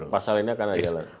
pasalnya ini akan jalan terus